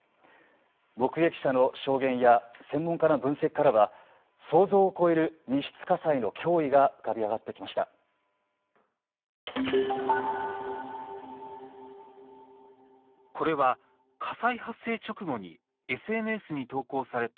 目撃者の証言や専門家の分析からは想像を超える密室火災の脅威が浮かび上がってきました。